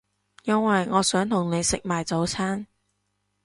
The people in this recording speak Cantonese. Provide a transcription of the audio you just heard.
因為我想同你食埋早餐